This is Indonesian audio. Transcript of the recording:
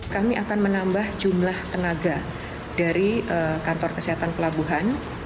kami akan menambah jumlah tenaga dari kantor kesehatan pelabuhan